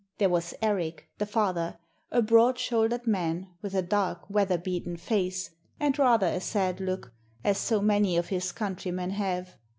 There was Erik, the father, a broad shouldered man, with a dark, weather beaten face and rather a sad look, as so many of his countrymen have.